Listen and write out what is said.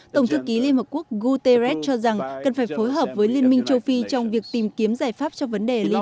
tổng thư ký liên hợp quốc guterres cho rằng cần phải phối hợp với liên minh châu phi trong việc tìm kiếm giải pháp cho vấn đề lib